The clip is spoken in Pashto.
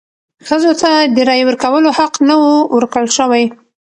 ښځو ته د رایې ورکولو حق نه و ورکړل شوی.